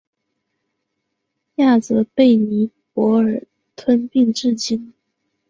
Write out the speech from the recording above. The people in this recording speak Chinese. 亚泽被尼泊尔吞并至今。